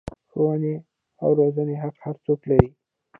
ښوونې او روزنې حق هر څوک لري.